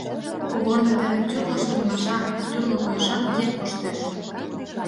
Кугорно дене тӱрлӧ шонымашан, тӱрлӧ койышан еҥ коштеш.